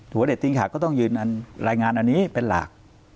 หัวเด็ดทิ้งขาดก็ต้องยืนยันรายงานอันนี้เป็นหลัก